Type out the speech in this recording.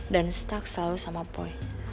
dan stuck selalu sama boy